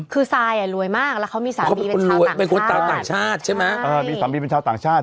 คือซายหลวยมากแล้วเขามีสามีเป็นชาวต่างชาติ